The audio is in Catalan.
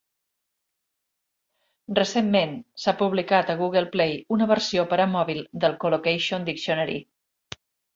Recentment, s'ha publicar a Google Play una versió per a mòbil del Collocation Dictionary.